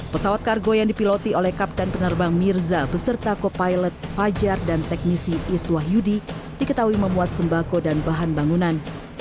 pesawat kargo yang dipiloti oleh kapten penerbang mirza beserta co pilot fajar dan teknisi iswah yudi diketahui memuat sembako dan bahan bangunan